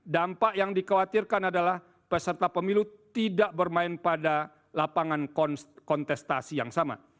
dampak yang dikhawatirkan adalah peserta pemilu tidak bermain pada lapangan kontestasi yang sama